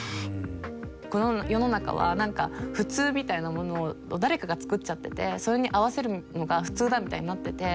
この世の中は何か普通みたいなものを誰かがつくっちゃっててそれに合わせるのが普通だみたいになってて。